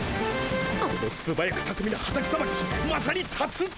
このすばやくたくみなハタキさばきまさに達人！